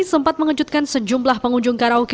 sempat mengejutkan sejumlah pengunjung karaoke